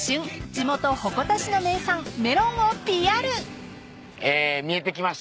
地元鉾田市の名産メロンをＰＲ］え見えてきました。